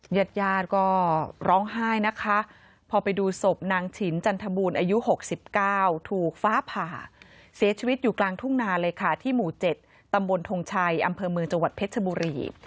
ญาติญาติก็ร้องไห้นะคะพอไปดูศพนางฉินจันทบูรณ์อายุ๖๙ถูกฟ้าผ่าเสียชีวิตอยู่กลางทุ่งนาเลยค่ะที่หมู่๗ตำบลทงชัยอำเภอเมืองจังหวัดเพชรชบุรี